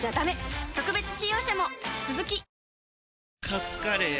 カツカレー？